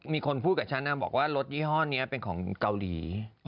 มีคนพูดกับฉันบอกว่ารถยี่ห้อนี้เป็นของเกาหลี